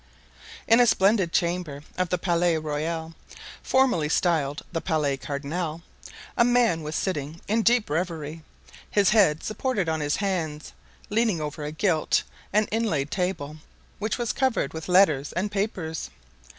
In a splendid chamber of the Palais Royal, formerly styled the Palais Cardinal, a man was sitting in deep reverie, his head supported on his hands, leaning over a gilt and inlaid table which was covered with letters and papers.